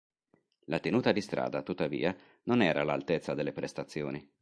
La tenuta di strada, tuttavia, non era all'altezza delle prestazioni.